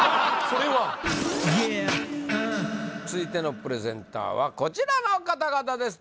それは続いてのプレゼンターはこちらの方々です